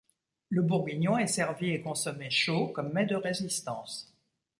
Le bourguignon est servi et consommé chaud comme mets de résistance.